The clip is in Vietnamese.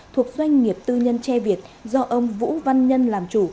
thuộc doanh nghiệp tư nhân tre việt do ông vũ văn nhân làm chủ